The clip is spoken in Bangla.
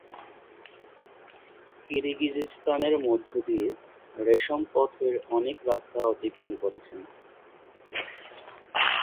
কিরগিজস্তানের মধ্য দিয়ে রেশম পথের অনেক রাস্তা অতিক্রম করেছে।